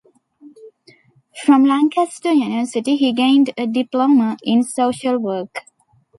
From Lancaster University, he gained a Diploma in Social Work.